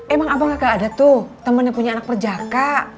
emang apakah ada tuh temen yang punya anak perjaka